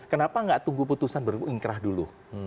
kenapa tidak tunggu keputusan berinkrah dulu